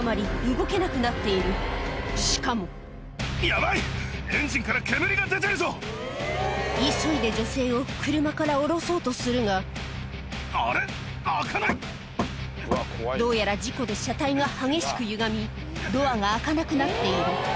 なんと事故に巻き込まれたしかも急いで女性を車から降ろそうとするがどうやら事故で車体が激しくゆがみドアが開かなくなっている